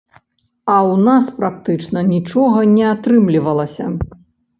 А ў нас практычна нічога не атрымлівалася.